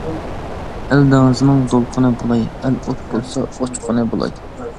ئەل دېڭىزىنىڭ دولقۇنى بولاي، ئەل ئوت بولسا ئۇچقۇنى بولاي.